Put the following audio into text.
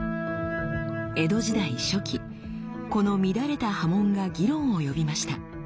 江戸時代初期この乱れた刃文が議論を呼びました。